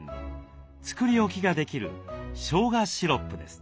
作り置きができるしょうがシロップです。